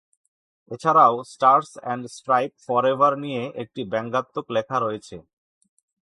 এছাড়াও stars and stripe forever নিয়ে একটি ব্যাঙ্গাত্মক লেখা রয়েছে।